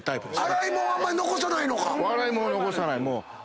洗い物残さない。